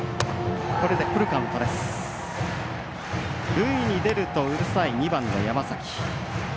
塁に出るとうるさい２番の山崎。